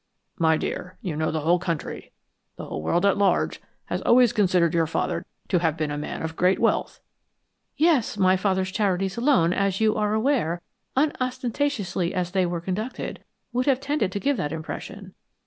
"My dear, you know the whole country, the whole world at large, has always considered your father to have been a man of great wealth." "Yes. My father's charities alone, as you are aware, unostentatiously as they were conducted, would have tended to give that impression.